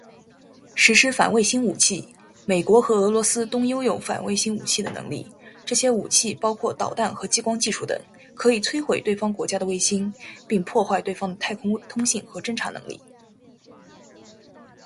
实施反卫星武器：美国和俄罗斯都拥有反卫星武器的能力。这些武器包括导弹和激光技术等，可以摧毁对方国家的卫星，并破坏对方的太空通信和侦察能力。